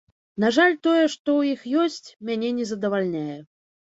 На жаль, тое, што ў іх ёсць, мяне не задавальняе.